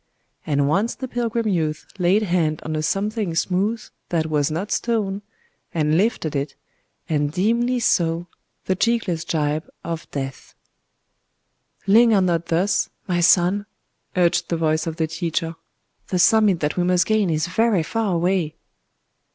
And once the pilgrim youth laid hand on a something smooth that was not stone,—and lifted it,—and dimly saw the cheekless gibe of death. "Linger not thus, my son!" urged the voice of the teacher;—"the summit that we must gain is very far away!"